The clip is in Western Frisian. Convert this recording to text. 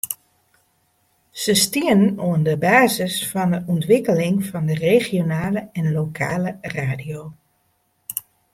Se stienen oan de basis fan de ûntwikkeling fan de regionale en lokale radio.